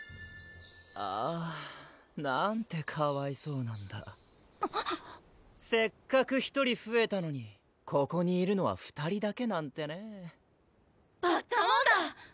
あぁなんてかわいそうなんだせっかく１人ふえたのにここにいるのは２人だけなんてねバッタモンダー！